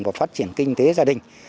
và phát triển kinh tế gia đình